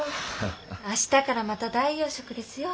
明日からまた代用食ですよ。